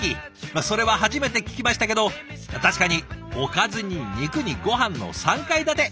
それは初めて聞きましたけど確かにおかずに肉にごはんの３階建て。